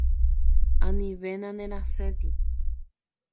Anivéna nerasẽti.